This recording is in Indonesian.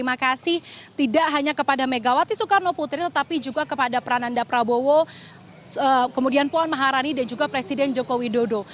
terima kasih tidak hanya kepada megawati soekarno putri tetapi juga kepada prananda prabowo kemudian puan maharani dan juga presiden joko widodo